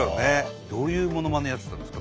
どういうものまねやってたんですか？